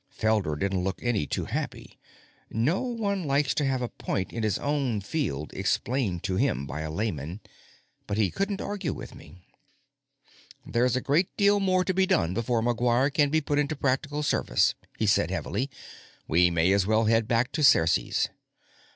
Felder didn't look any too happy; no one likes to have a point in his own field explained to him by a layman. But he couldn't argue with me. "There's a great deal more to be done before McGuire can be put into practical service," he said heavily. "We may as well head back to Ceres."